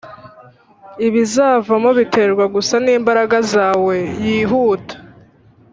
ibizavamo biterwa gusa nimbaraga zawe. yihuta